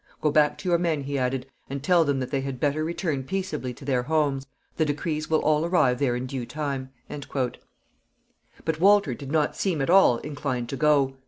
"Go back to your men," he added, "and tell them that they had better return peaceably to their homes. The decrees will all arrive there in due time." But Walter did not seem at all inclined to go.